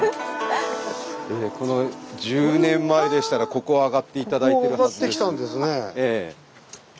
１０年前でしたらここを上がって頂いてるはずです。